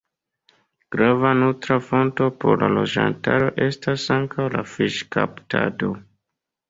Grava nutra fonto por la loĝantaro estas ankaŭ la fiŝkaptado.